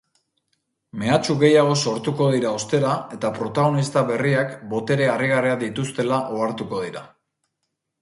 Mehatxu gehiago sortuko dira ostera eta protagonista berriak botere harrigarriak dituztela ohartuko dira.